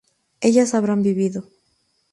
ellas habrán vivido